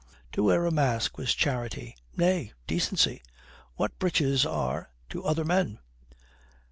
To wear a mask was charity, nay, decency what breeches are to other men.